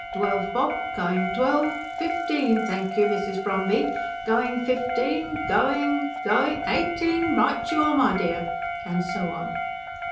Twelve bob ... going twelve.... Fifteen? Thank you, Mrs. Bromby! Going fifteen ... going going Eighteen? Right you are, my dear!" and so on.